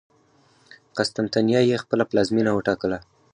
قسطنطنیه یې خپله پلازمېنه وټاکله.